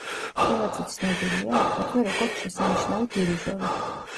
კილაძე ცნობილია, აგრეთვე, როგორც შესანიშნავი დირიჟორი.